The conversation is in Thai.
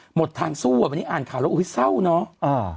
หมดทางสู้อ่ะวันนี้อ่านข่าวแล้วอุ้ยเศร้าเนอะ